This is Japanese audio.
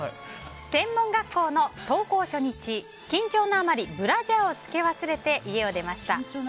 専門学校の登校初日緊張のあまり、ブラジャーを着け忘れて家を出ました。